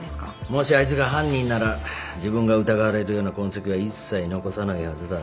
もしあいつが犯人なら自分が疑われるような痕跡は一切残さないはずだ。